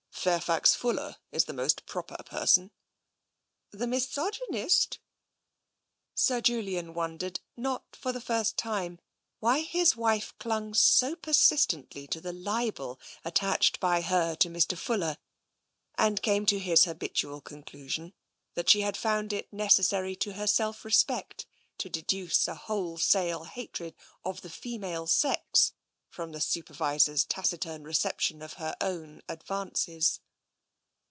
Fairfax Ful ler is the proper person." " The misogynist !'* Sir Julian wondered, not for the first time, why his wife clung so persistently to the libel attached by her to Mr. Fuller, and came to his habitual conclusion, that she had found it necessary to her self respect to deduce a wholesale hatred of the female sex from the Super visor's taciturn reception of her own advances.